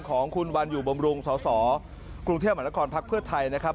ของคุณวันอยู่บำรุงสสกรุงเที่ยวหมันละครพเทพ